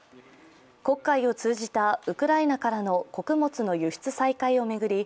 黒海を通じたウクライナからの穀物の輸出再開を巡り